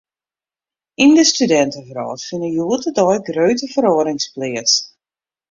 Yn de studintewrâld fine hjoed-de-dei grutte feroarings pleats.